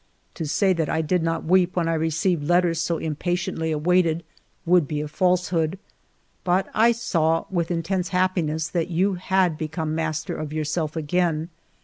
To say that I did not weep when I received letters so impatiently awaited would be a falsehood; but I saw with intense happiness that you had be come master of yourself again.